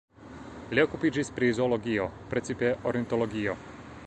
Li okupiĝis pri zoologio, precipe ornitologio.